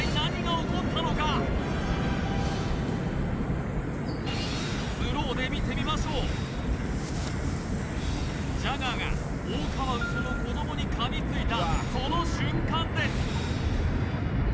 一体スローで見てみましょうジャガーがオオカワウソの子どもに噛みついたその瞬間です